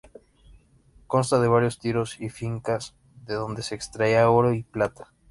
Consta de varios tiros y fincas de donde se extraía oro y plata.